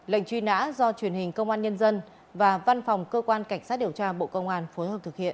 lệnh truy nã do truyền hình công an nhân dân và văn phòng cơ quan cảnh sát điều tra bộ công an phối hợp thực hiện